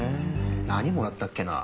何もらったっけな？